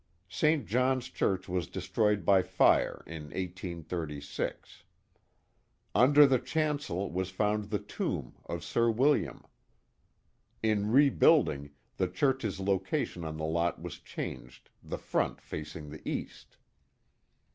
St. John's Church was destroyed by fire in 1836. Under the chancel was found the tomb of Sir William. In rebuilding, the church's location on the lot was changed, the front facing the east.